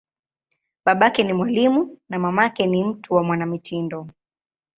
Babake ni mwalimu, na mamake ni mtu wa mwanamitindo.